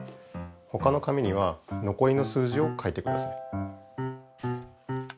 他の紙にはのこりの数字を書いてください。